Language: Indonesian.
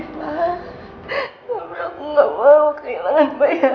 sabar aku enggak mau kehilangan baik aku